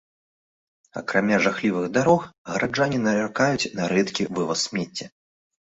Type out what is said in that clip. Акрамя жахлівых дарог гараджане наракаюць на рэдкі вываз смецця.